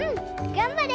がんばれ。